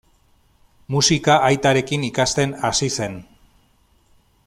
Musika aitarekin ikasten hasi zen.